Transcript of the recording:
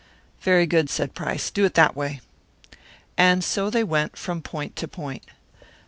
"Very good," said Price. "Do it that way." And so they went, from point to point.